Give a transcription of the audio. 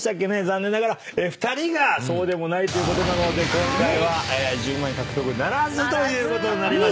残念ながら２人が「そうでもない」なので今回は１０万円獲得ならずということになりました。